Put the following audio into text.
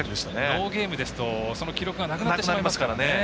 ノーゲームですとその記録がなくなってしまいますから。